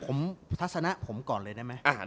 ผมทัศนะผมก่อนเลยได้ไหม